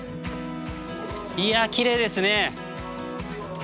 いやきれいですね。